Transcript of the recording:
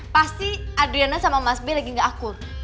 pasti adriana sama mas b lagi gak akun